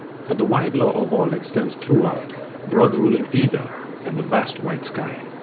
But the wide law of all extends throughout Broad ruling ether and the vast white sky.